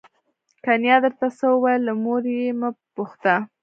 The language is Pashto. که نیا درته څه وویل له مور یې مه پوښته.